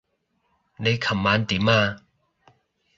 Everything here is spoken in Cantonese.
你琴晚點啊？